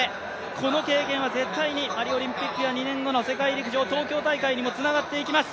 この経験は絶対にパリオリンピックや２年後の東京大会にもつながっていきます。